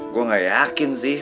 gue gak yakin sih